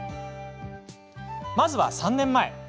まずは、３年前。